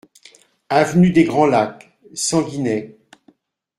Avenue des Grands Lacs, Sanguinet